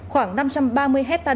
khoảng năm trăm ba mươi hectare đất rừng